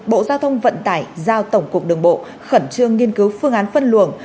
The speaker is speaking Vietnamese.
bộ giao thông vận tải giao tổng cục đường bộ khẩn trương nghiên cứu phương án phân luồng